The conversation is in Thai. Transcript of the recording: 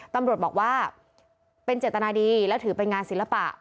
ตำรวจบอกว่าเป็นเจตนาดีแล้วถือเป็นงานศิลปะ